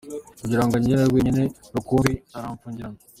Kugira ngo anyiharire wenyine rukumbi, aramfungirana.